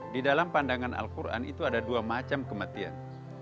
di dalam pandangan al quran itu ada dua macam kematian